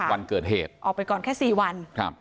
วันเกิดเหตุออกไปก่อนแค่๔วัน